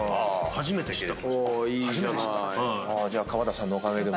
初めて知った⁉じゃあ川田さんのおかげでも。